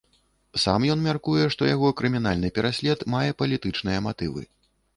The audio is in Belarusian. Сам ён мяркуе, што яго крымінальны пераслед мае палітычныя матывы.